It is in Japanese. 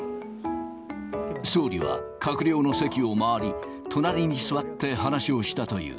総理は閣僚の席を回り、隣に座って話をしたという。